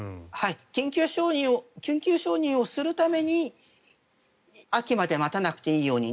緊急承認をするために秋まで待たなくていいように